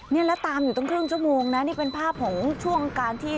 นี่แล้วตามอยู่ตั้งครึ่งชั่วโมงนะนี่เป็นภาพของช่วงการที่